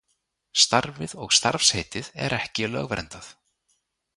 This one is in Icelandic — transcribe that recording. Starfið og starfsheitið er ekki lögverndað.